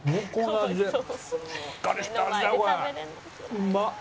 うまっ！